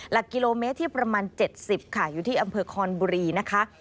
หลักกิโลเมตรที่ประมาณ๗๐ค่ะอยู่ที่อำเภอคอนบุรีนะคะ